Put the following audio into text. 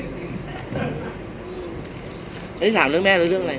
พี่อัดมาสองวันไม่มีใครรู้หรอก